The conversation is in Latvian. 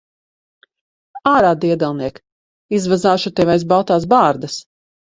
Ārā, diedelniek! Izvazāšu tevi aiz baltās bārdas.